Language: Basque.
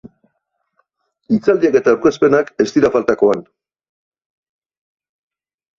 Hitzaldiak eta aurkezpenak ez dira faltako han.